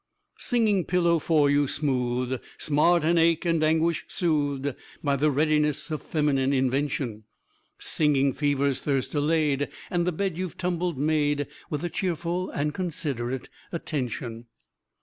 Singing pillow for you, smoothed; smart and ache and anguish soothed, By the readiness of feminine invention; Singing fever's thirst allayed, and the bed you've tumbled made With a cheerful and considerate attention.